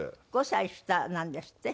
５歳下なんですって？